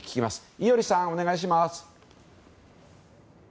伊従さん、お願いします。